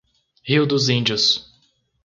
Rio dos Índios